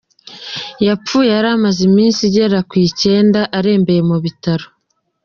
Yapfuye yari amaze iminsi igera ku icyenda arembeye mu bitaro.